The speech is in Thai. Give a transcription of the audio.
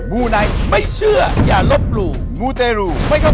สวัสดีครับ